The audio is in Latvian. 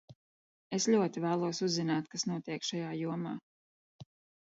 Es ļoti vēlos uzzināt, kas notiek šajā jomā.